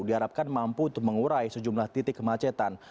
diharapkan mampu untuk mengurai sejumlah titik kemacetan